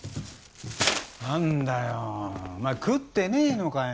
何だよお前食ってねえのかよ？